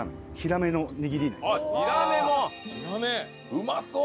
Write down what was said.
うまそう！